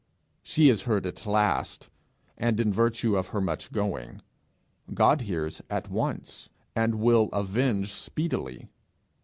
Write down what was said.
She is heard at last, and in virtue of her much going; God hears at once, and will avenge speedily.